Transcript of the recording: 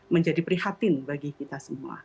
menjadi prihatin bagi kita semua